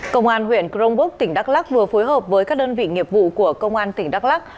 công an huyện crongbuk tỉnh đắk lắc vừa phối hợp với các đơn vị nghiệp vụ của công an tỉnh đắk lắc